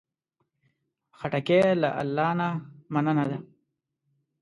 خټکی له الله نه مننه ده.